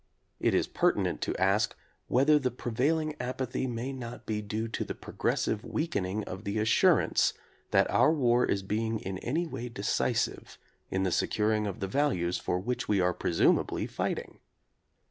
It is pertinent to ask whether the prevailing apathy may not be due to the progressive weakening of the assurance that our war is being in any way decisive in the securing of the values for which we are presumably fighting.